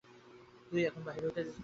তুই এখন বাহির হইতেছিস বুঝি?